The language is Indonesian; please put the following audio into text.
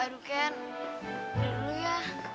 aduh can powder ya